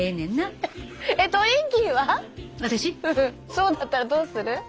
そういうのだったらどうする？